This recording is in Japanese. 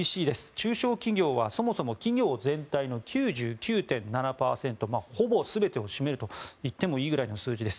中小企業はそもそも企業全体の９９．７％ほぼ全てを占めるといってもいいくらいの数字です。